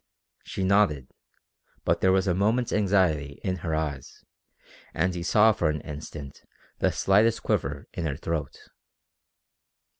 She nodded, but there was a moment's anxiety in her eyes, and he saw for an instant the slightest quiver in her throat.